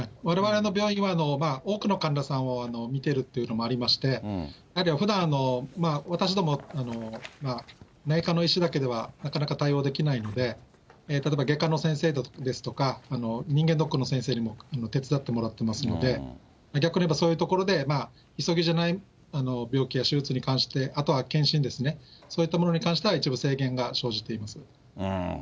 われわれの病院は、多くの患者さんを見てるというのもありまして、やはりふだん、私ども、内科の医師だけではなかなか対応できないので、例えば外科の先生ですとか、人間ドッグの先生にも手伝ってもらってますので、逆に言えば、そういうところで、急ぎじゃない病気や手術に関してあとは検診ですね、そういったものに関しては、一部制限が生じています。